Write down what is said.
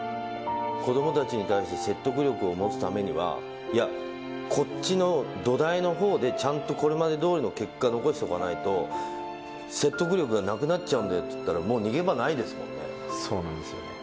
子どもたちに対して説得力を持つためには、いや、こっちの土台のほうでちゃんとこれまでどおりの結果を残しておかないと、説得力がなくなっちゃうんでって言ったらもう逃げ場ないですもんそうなんですよね。